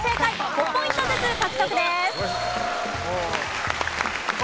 ５ポイントずつ獲得です。